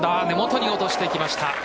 根元に落としてきました。